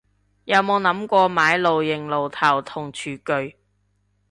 又有諗過買露營爐頭同廚具